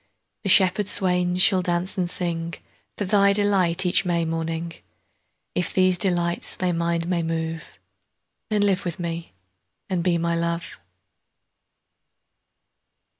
The shepherd swains shall dance and singFor thy delight each May morning:If these delights thy mind may move, Then live with me and be my Love.